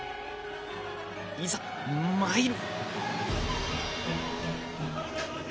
いざ参る！